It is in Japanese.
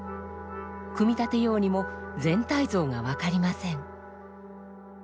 組み立てようにも全体像が分かりません。